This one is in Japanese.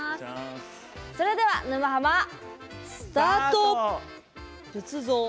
それでは「沼ハマ」スタート！